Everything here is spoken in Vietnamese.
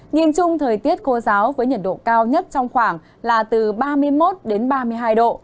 nhìn chung thời tiết khô giáo với nhiệt độ cao nhất trong khoảng là từ ba mươi một đến ba mươi hai độ